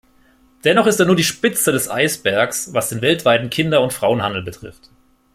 Dennoch ist er nur die Spitze des Eisberges, was den weltweiten Kinderund Frauenhandel betrifft.